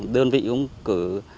đơn vị cũng cử